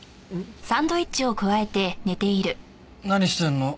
何してんの？